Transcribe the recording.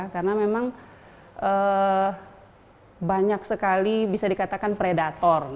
karena memang banyak sekali bisa dikatakan predator